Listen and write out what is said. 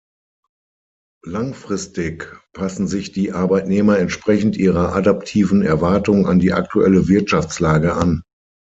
Langfristig passen sich die Arbeitnehmer entsprechend ihrer adaptiven Erwartung an die aktuelle Wirtschaftslage an.